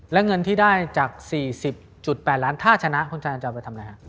แล้วเงินที่ได้จาก๔๐๘ล้านถ้าชนะคุณฉันจะเอาไปทำอะไรครับ